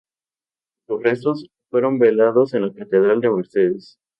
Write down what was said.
Sus restos, fueron velados en la catedral de Mercedes.